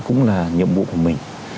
cũng là nhiệm vụ của mình